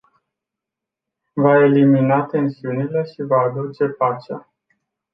Va elimina tensiunile și va aduce pacea.